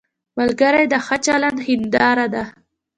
ملګری د ښه چلند هنداره ده